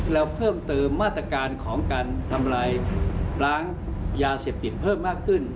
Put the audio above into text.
แล้วเพิ่มเติมมาตรการของการทำลายล้างยาเสพติดเพิ่มมากขึ้น